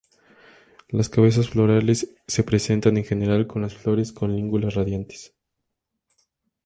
Las cabezas florales se presentan en general con las flores con lígulas radiantes.